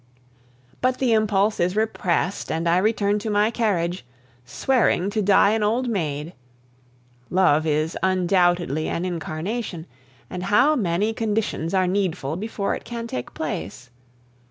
But the impulse is repressed, and I return to my carriage, swearing to die an old maid. Love is undoubtedly an incarnation, and how many conditions are needful before it can take place!